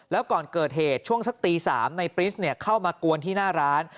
แล้วก่อนเกิดเหตุช่วงสักตี๓ในปริสเข้ามากวนที่หน้าร้าน